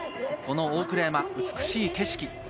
大倉山、美しい景色。